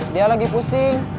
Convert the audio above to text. dia lagi pusing